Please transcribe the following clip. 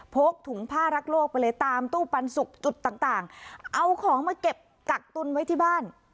กถุงผ้ารักโลกไปเลยตามตู้ปันสุกจุดต่างต่างเอาของมาเก็บกักตุนไว้ที่บ้าน